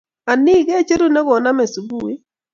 Anii, Kecheru ne kuname subui